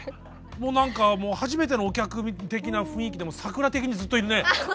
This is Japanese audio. もう何か初めてのお客的な雰囲気でサクラ的にずっといるね。